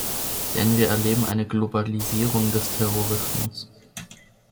Denn wir erleben eine Globalisierung des Terrorismus.